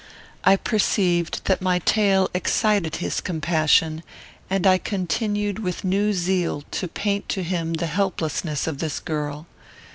I perceived that my tale excited his compassion, and I continued with new zeal to paint to him the helplessness of this girl.